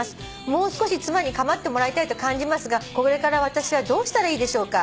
「もう少し妻に構ってもらいたいと感じますがこれから私はどうしたらいいでしょうか？」